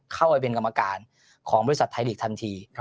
เข้าไปเป็นกรรมการของบริษัทไทยลีกทันที